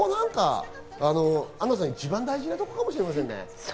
アンナさん、一番大事なところかもしれませんね。